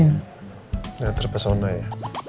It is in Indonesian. udah terpesona ya